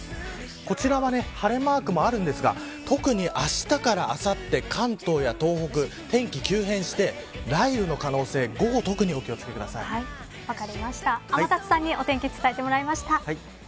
こちらは晴れマークもありますが特にあしたからあさって関東や東北、天気急変して雷雨の可能性、午後天達さんにお天気伝えてもらいました。